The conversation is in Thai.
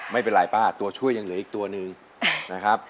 ไม่เป็นไรป้าตัวช่วยยังเหลืออีกตัวหนึ่งนะครับ